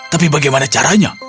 tapi bagaimana caranya